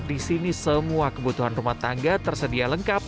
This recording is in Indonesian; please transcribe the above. di sini semua kebutuhan rumah tangga tersedia lengkap